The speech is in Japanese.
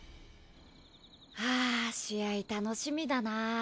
あぁ試合楽しみだな。